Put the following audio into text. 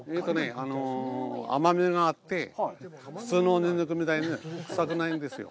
甘みがあって、普通のニンニクみたいに臭くないんですよ。